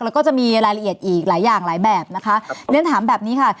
แล้วก็จะมีรายละเอียดอีกหลายอย่างหลายแบบนะคะเรียนถามแบบนี้ค่ะ